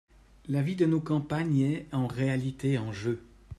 La vie de nos campagnes est, en réalité, en jeu.